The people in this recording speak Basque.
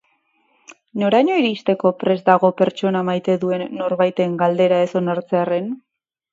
Noraino iristeko prest dago pertsona maite duen norbaiten galera ez onartzearren?